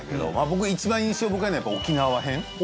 僕一番印象深いのが沖縄編。